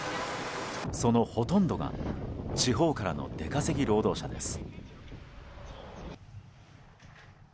そのほとんどが地方からの出稼ぎ労働者です。